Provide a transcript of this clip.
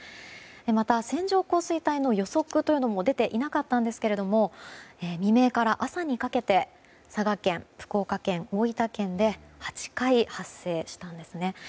また線状降水帯の予測というのも出ていなかったんですが未明から朝にかけて佐賀県、福岡県、大分県で８回発生したんですね。